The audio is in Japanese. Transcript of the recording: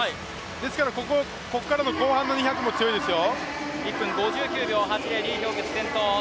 ですから、ここからの後半の２００も強いですよ。